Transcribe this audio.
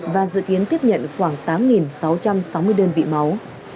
và dự kiến tiếp nhận khoảng tám sáu trăm sáu mươi đơn vị máu